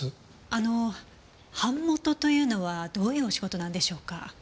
あの版元というのはどういうお仕事なんでしょうか？